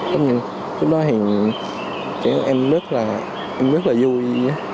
tất nhiên em rất là vui